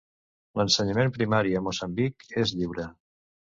L'ensenyament primari a Moçambic és lliure.